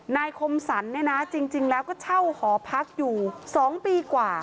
คมสรรเนี่ยนะจริงแล้วก็เช่าหอพักอยู่๒ปีกว่า